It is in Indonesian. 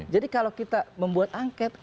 jadi kalau kita membuat angket